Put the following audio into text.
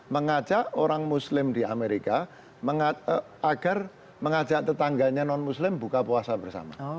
mengajak orang muslim di amerika agar mengajak tetangganya non muslim buka puasa bersama